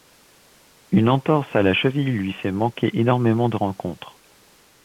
Une entorse à la cheville lui fait manqué énormément de rencontres.